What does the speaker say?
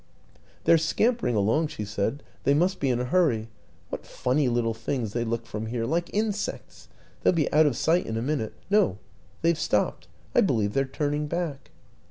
'They're scampering along," she said; "they must be in a hurry. What funny little things they look from here like insects ! They'll be out of sight in a minute no, they've stopped. ... I believe they're turning back."